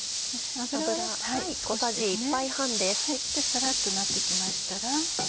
サラっとなって来ましたら